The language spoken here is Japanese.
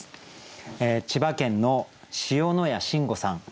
千葉県の塩野谷慎吾さん